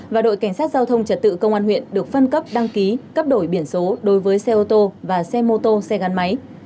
và đội cảnh sát giao thông trật tự công an huyện được phân cấp đăng ký cấp đổi biển số đối với xe ô tô và xe mô tô xe gắn máy